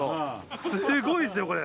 すごいですよこれ。